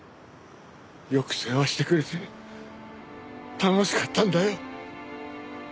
よく世話してくれて楽しかったんだよ。